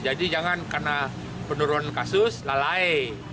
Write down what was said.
jadi jangan karena penurunan kasus lalai